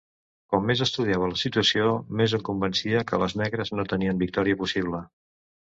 Com més estudiava la situació, més em convencia que les negres no tenen victòria possible.